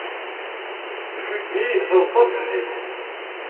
Judy teḍsa fell-i.